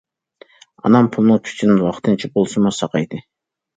ئانام پۇلنىڭ كۈچىدىن ۋاقتىنچە بولسىمۇ ساقايدى.